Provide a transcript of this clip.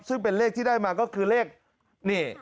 ซึ่งเป็นเลขที่ได้มาก็คือเลขนี่